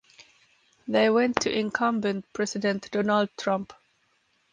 They went to Incumbent President Donald Trump.